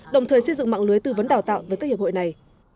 đồng thời xây dựng mạng lưới tư vấn đào tạo với các hiệp hội này